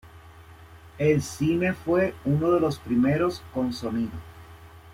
El cine fue uno de los primeros con sonido.